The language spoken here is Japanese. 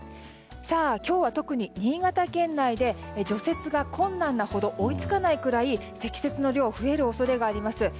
今日は特に新潟県内で除雪が困難なほど追いつかないくらい積雪の量増える恐れがあります。